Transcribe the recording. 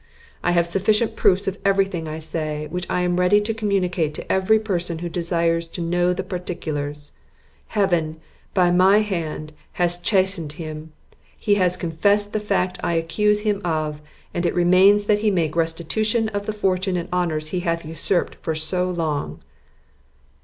I have sufficient proofs of every thing I say, which I am ready to communicate to every person who desires to know the particulars. Heaven, by my hand, has chastised him; he has confessed the fact I accuse him of, and it remains that he make restitution of the fortune and honours he hath usurped so long."